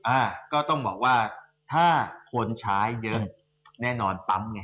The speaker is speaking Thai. อ่าก็ต้องบอกว่าถ้าคนใช้เยอะแน่นอนปั๊มไง